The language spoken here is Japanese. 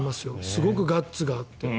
すごくガッツがあって。